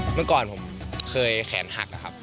เมื่อก่อนผมเคยแขนหักนะครับ